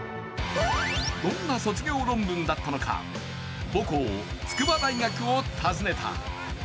どんな卒業論文だったのか母校・筑波大学を訪ねた。